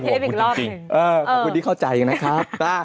กูไปก่อนเทปอีกรอบหนึ่งเออขอบคุณที่เข้าใจนะครับป๊ะ